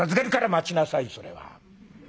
「待ちなさいそれは。